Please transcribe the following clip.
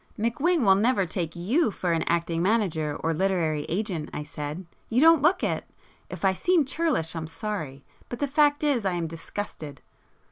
"McWhing will never take you for an acting manager or literary agent,"—I said—"You don't look it. If I seem churlish I'm sorry—but the fact is I am disgusted